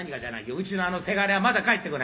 うちのせがれはまだ帰ってこないのか？」